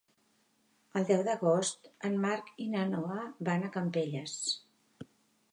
El deu d'agost en Marc i na Noa van a Campelles.